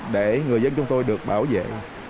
để người dân chúng tôi được bảo vệ